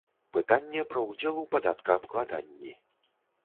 Пытанне пра ўдзел у падаткаабкладанні.